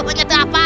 banyak tuh apaan